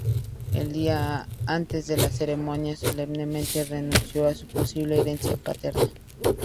El día antes de la ceremonia, solemnemente renunció a su posible herencia paterna.